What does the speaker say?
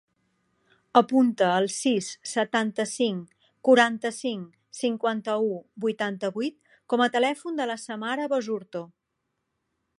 Apunta el sis, setanta-cinc, quaranta-cinc, cinquanta-u, vuitanta-vuit com a telèfon de la Samara Basurto.